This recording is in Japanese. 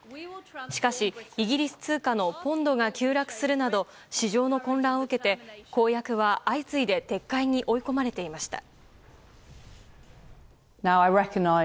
しかしイギリス通貨のポンドが急落するなど市場の混乱を受けて公約は相次いで撤回に追い込まれていました。